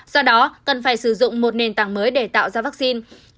do đó cần phải sử dụng một nền tảng mới để tạo ra vaccine